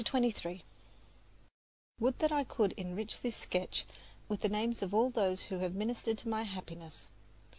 CHAPTER XXIII Would that I could enrich this sketch with the names of all those who have ministered to my happiness!